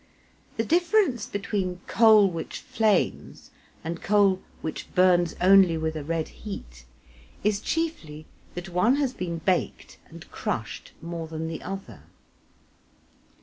The difference between coal which flames and coal which burns only with a red heat, is chiefly that one has been baked and crushed more than the other.